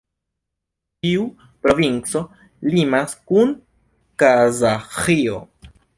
Tiu provinco limas kun Kazaĥio.